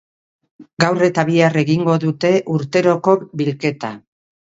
Gaur eta bihar egingo dute urteroko bilketa.